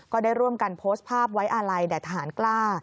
ก็ได้ร่วมกันโพสต์ภาพไว้อาลัยแด่ทหารกล้า